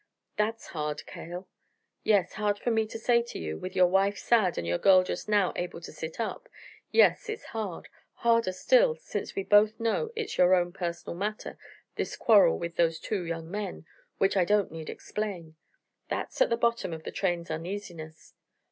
"That's hard, Cale!" "Yes, hard for me to say to you, with your wife sad and your girl just now able to sit up yes, it's hard. Harder still since we both know it's your own personal matter this quarrel of those two young men, which I don't need explain. That's at the bottom of the train's uneasiness."